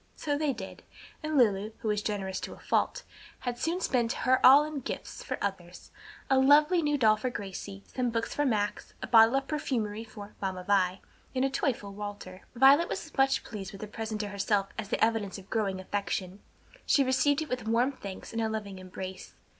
So they did; and Lulu, who was generous to a fault, had soon spent her all in gifts for others; a lovely new doll for Gracie, some books for Max, a bottle of perfumery for "Mamma Vi," and a toy for Walter. Violet was much pleased with the present to herself as an evidence of growing affection. She received it with warm thanks and a loving embrace.